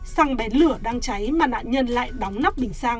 xăng bén lửa đang cháy mà nạn nhân lại đóng nắp bình xăng